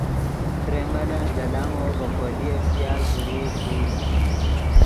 ترئے ملن دے لامو ڤے کولییف ژیا شروع ݰوئے۔